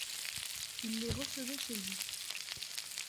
Il les recevait chez lui.